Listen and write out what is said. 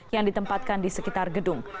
yang ditempatkan di sekitar gedung